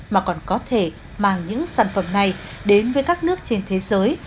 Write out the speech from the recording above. mà còn có thể mang những sản phẩm này đến với các nước trên thế giới